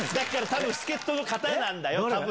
多分助っ人の方なんだよ。